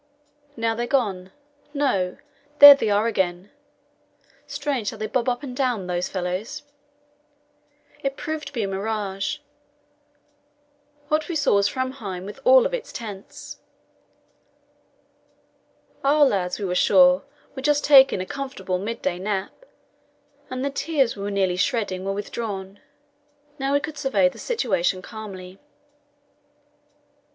"Now they're gone. No; there they are again. Strange how they bob up and down, those fellows!" It proved to be a mirage; what we saw was Framheim with all its tents. Our lads, we were sure, were just taking a comfortable midday nap, and the tears we were nearly shedding were withdrawn. Now we could survey the situation calmly.